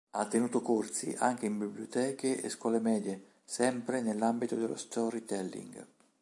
Ha tenuto corsi anche in biblioteche e scuole medie sempre nell'ambito dello storytelling.